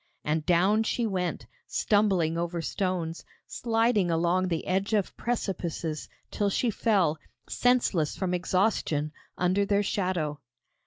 And down she went, stumbling over stones, sliding along the edge of precipices, till she fell, senseless from exhaustion, under their shadow.